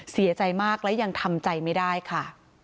เสียใจมากและยังทำใจไม่ได้ค่ะ